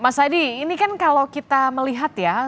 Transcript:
mas adi ini kan kalau kita melihat ya